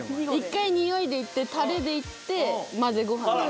１回匂いで行ってタレで行って混ぜご飯に。